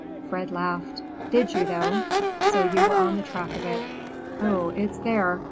Fred laughed. "Did you, though? So you were on the track of it? Oh, it's there!